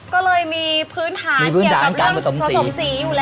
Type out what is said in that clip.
ก็เลยมีพื้นฐานเกี่ยวกับเรื่องผสมสีอยู่แล้ว